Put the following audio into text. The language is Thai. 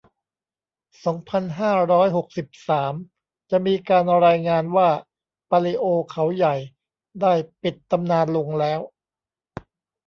สองพันห้าร้อยหกสิบสาม จะมีการรายงานว่า ปาลิโอ เขาใหญ่ ได้ปิดตำนานลงแล้ว